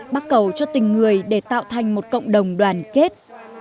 bác cầu cho tình người để tạo thành một cộng đồng đoàn kết